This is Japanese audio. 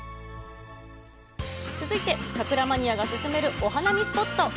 続いて、桜マニアが勧めるお花見スポット。